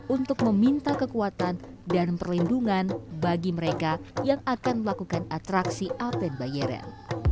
untuk meminta kekuatan dan perlindungan bagi mereka yang akan melakukan atraksi apen bayeren